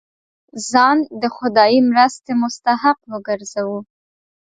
ځان د خدايي مرستې مستحق وګرځوو.